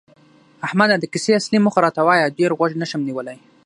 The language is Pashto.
احمده! د کیسې اصلي موخه راته وایه، ډېر غوږ نشم نیولی.